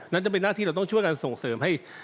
จะเป็นหน้าที่เราต้องช่วยกันส่งเสริมให้